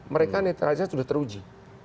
mereka netralitas sudah teruji